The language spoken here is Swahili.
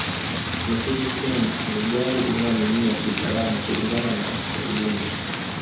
mecedes ben ni magari yanayoaminiwa kiusalama kulingana na yaliundwa